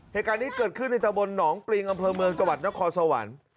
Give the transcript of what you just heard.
เหตุการณ์นี้เกิดขึ้นในตะบนหนองปริงอำเภอเมืองจังหวัดนครสวรรค์